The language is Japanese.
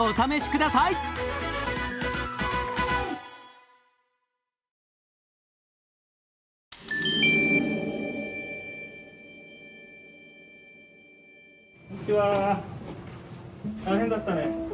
大変だったね。